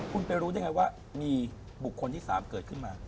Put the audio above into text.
คุณไปรู้ได้ไงว่ามีบุคคลที่๓เกิดขึ้นมา